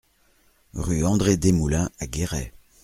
Rue André Desmoulins à Guéret